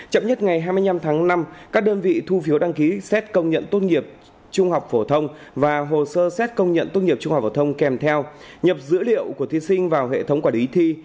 chậm nhất ngày hai mươi năm tháng năm các đơn vị thu phiếu đăng ký xét công nhận tốt nghiệp trung học phổ thông và hồ sơ xét công nhận tốt nghiệp trung học phổ thông kèm theo nhập dữ liệu của thí sinh vào hệ thống quản lý thi